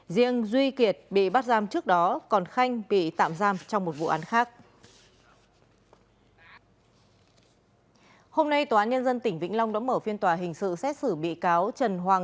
riêng duy kiệt bị bắt giam trước đó còn khanh bị tạm giam trong một vụ án khác